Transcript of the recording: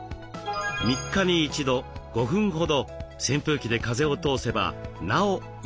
３日に１度５分ほど扇風機で風を通せばなおよいでしょう。